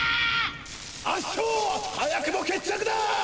圧勝！！早くも決着だ！！